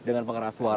dengan penggeras suara